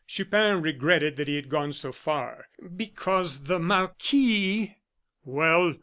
Chupin regretted that he had gone so far. "Because the marquis " "Well?"